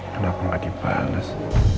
kenapa gak dibales